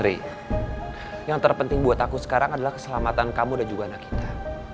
yang terpenting buat aku sekarang adalah keselamatan kamu dan juga anak kita